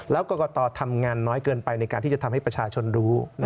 แล้วกรกตทำงานน้อยเกินไปในการที่จะทำให้ประชาชนรู้